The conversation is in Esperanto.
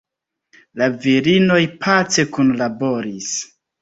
La virinoj pace kunlaboris.